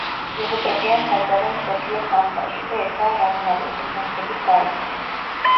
იღუპებიან საზარელ მსოფლიო ხანძარში, და ესაა რაგნაროკი, ღმერთების დაისი.